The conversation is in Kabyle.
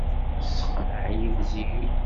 Tesseqneɛ-iyi Tiziri.